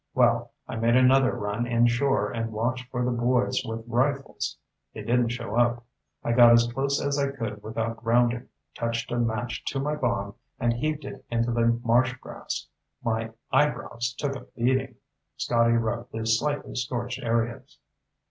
Well, I made another run inshore and watched for the boys with rifles. They didn't show up. I got as close as I could without grounding, touched a match to my bomb, and heaved it into the marsh grass. My eyebrows took a beating." Scotty rubbed the slightly scorched areas.